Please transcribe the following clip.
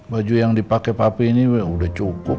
baju yang dipake papi ini udah cukup